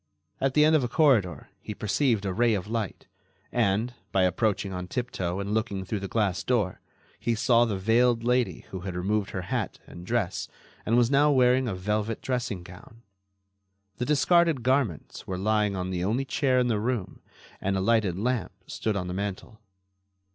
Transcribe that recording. At the end of a corridor he perceived a ray of light and, by approaching on tiptoe and looking through the glass door, he saw the veiled lady who had removed her hat and dress and was now wearing a velvet dressing gown. The discarded garments were lying on the only chair in the room and a lighted lamp stood on the mantel.